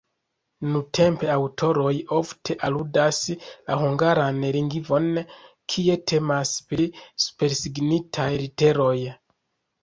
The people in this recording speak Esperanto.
Nuntempe aŭtoroj ofte aludas la hungaran lingvon, kie temas pri supersignitaj literoj.